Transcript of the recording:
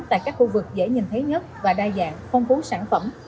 tại các khu vực dễ nhìn thấy nhất và đa dạng phong phú sản phẩm